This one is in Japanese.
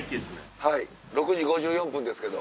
はい６時５４分ですけど。